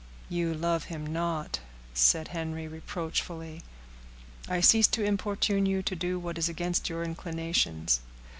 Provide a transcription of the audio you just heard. "You love him not," said Henry, reproachfully. "I cease to importune you to do what is against your inclinations."